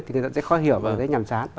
thì người ta sẽ khó hiểu và sẽ nhằm sán